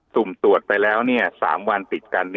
สุ่มตรวจไปแล้ว๓วันติดกัน